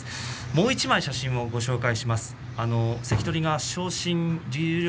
もう１枚写真を紹介します。